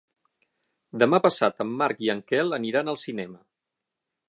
Demà passat en Marc i en Quel aniran al cinema.